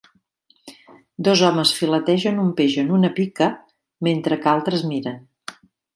Dos homes filetegen un peix en una pica mentre que altres miren.